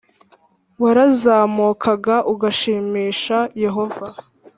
warazamukaga ugashimisha Yehova